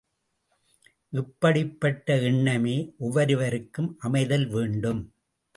இப்படிப்பட்ட எண்ணமே ஒவ்வொருவருக்கும் அமைதல் வேண்டும்.